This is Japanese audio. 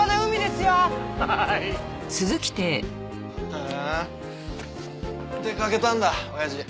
へえ出かけたんだ親父。